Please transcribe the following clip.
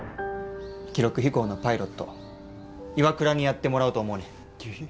記録飛行のパイロット岩倉にやってもらおうと思うねん。